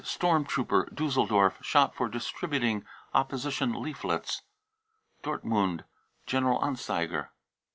storm trooper, Diisseldorf, shot for distributing oppo sition leaflets. (Dortmund General Anzeiger.)